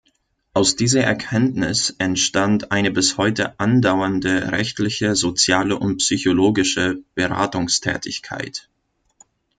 Aus dieser Erkenntnis entstand eine bis heute andauernde rechtliche, soziale und psychologische Beratungstätigkeit.